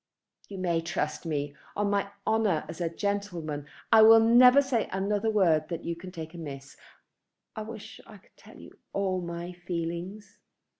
"You may trust me. On my honour as a gentleman, I will never say another word that you can take amiss. I wish I could tell you all my feelings.